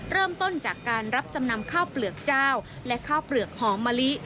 เริ่มต้นจากการรับจำนำข้าวเปลือกเจ้าและข้าวเปลือกหอมมะลิ